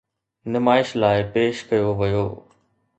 نمائش لاءِ پيش ڪيو ويو.